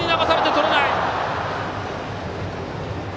とれない！